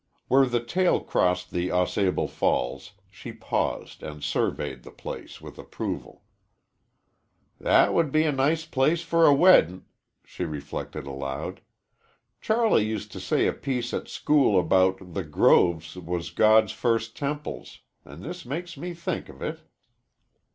Where the trail crossed the Au Sable Falls, she paused and surveyed the place with approval. "That would be a nice place for a weddin'," she reflected aloud. "Charlie used to say a piece at school about 'The groves was God's first temples,' an' this makes me think of it."